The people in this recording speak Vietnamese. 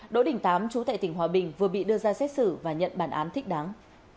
đỗ đình tám chú tại tỉnh hòa bình vừa bị đưa ra xét xử và nhận bản án thích đáng